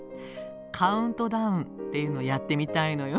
カウントダウンっていうのをやってみたいのよ。